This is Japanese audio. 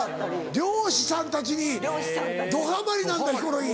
漁師さんたちにどハマりなんだヒコロヒー。